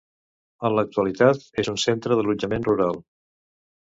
En l'actualitat és un centre d'allotjament rural.